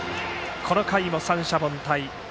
この回も三者凡退。